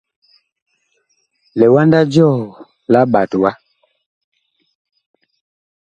Liwanda jɔɔ la ɓat wa.